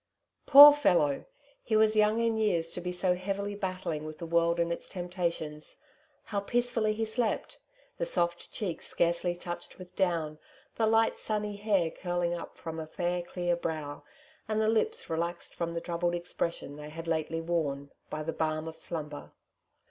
Poor fellow ! he was young in years to be so heavily battling with the world and its temptations. How peacefully he slept ! the soft cheek scarcely touched with down, the light sunny hair curling up from a fair, clear brow, and Ihe lips relaxed from the troubled expression they had lately worn, by the balm of slumber